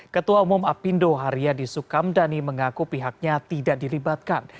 ketua umum apindo haryadi sukamdhani mengaku pihaknya tidak dilibatkan